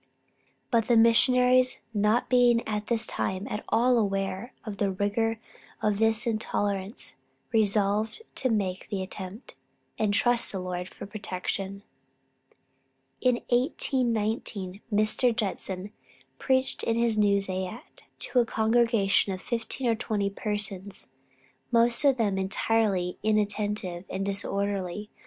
But the Missionaries not being at this time at all aware of the rigor of this intolerance, resolved to make the attempt, and trust in the Lord for protection. In April, 1819, Mr. Judson preached in his new zayat to a congregation of fifteen or twenty persons, most of them entirely inattentive and disorderly.